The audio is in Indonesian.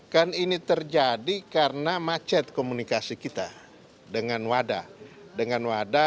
kan ini terjadi karena macet komunikasi kita dengan wada